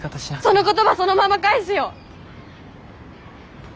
その言葉そのまま返すよ。